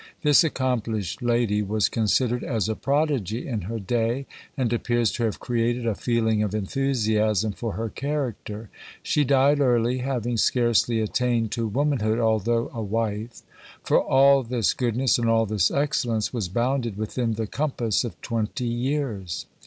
This accomplished lady was considered as a prodigy in her day, and appears to have created a feeling of enthusiasm for her character. She died early, having scarcely attained to womanhood, although a wife; for "all this goodness and all this excellence was bounded within the compass of twenty years."